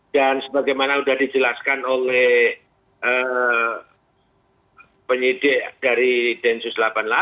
dan sebagaimana sudah dijelaskan oleh penyidik dari densus delapan puluh delapan